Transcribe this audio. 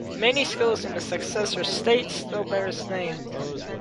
Many schools in the successor states still bear his name.